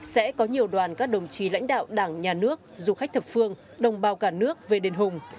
sẽ có nhiều đoàn các đồng chí lãnh đạo đảng nhà nước du khách thập phương đồng bào cả nước về đền hùng